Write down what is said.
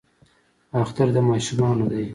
اختر د ماشومانو دی